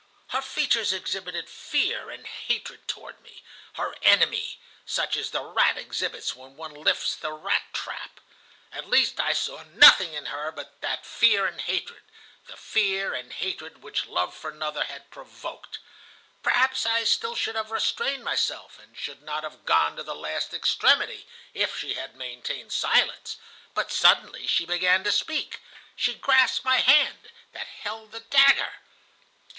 Her features exhibited fear and hatred toward me, her enemy, such as the rat exhibits when one lifts the rat trap. At least, I saw nothing in her but that fear and hatred, the fear and hatred which love for another had provoked. Perhaps I still should have restrained myself, and should not have gone to the last extremity, if she had maintained silence. But suddenly she began to speak; she grasped my hand that held the dagger.